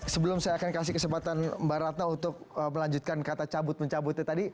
sebelum saya akan kasih kesempatan mbak ratna untuk melanjutkan kata cabut mencabutnya tadi